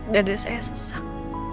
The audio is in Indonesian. dada saya sesak